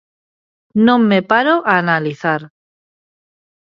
Non me paro a analizar.